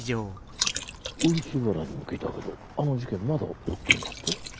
漆原にも聞いたけどあの事件まだ追ってんだって？